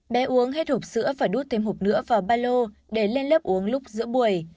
bé uống hết hụp sữa và đút thêm hụp nữa vào ba lô để lên lớp uống lúc giữa buổi